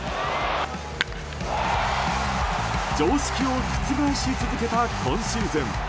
常識を覆し続けた今シーズン。